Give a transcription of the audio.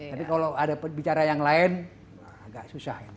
tapi kalau ada bicara yang lain agak susah ini